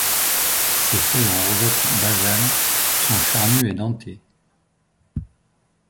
Ses feuilles en rosette basale sont charnues et dentées.